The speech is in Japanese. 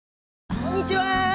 こんにちは。